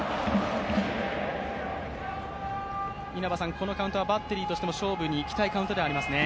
このカウントはバッテリーとしても勝負に行きたいカウントではありますね。